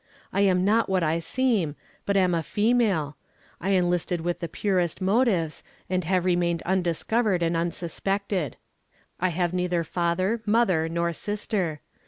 I am not what I seem, but am a female. I enlisted from the purest motives, and have remained undiscovered and unsuspected. I have neither father, mother nor sister.